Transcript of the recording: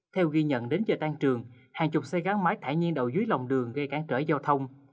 theo ghi nhận đến giờ tan trường hàng chục xe gắn máy thải nhiên đầu dưới lòng đường gây cản trở giao thông